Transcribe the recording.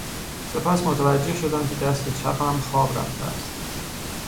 سپس متوجه شدم که دست چپم خواب رفته است.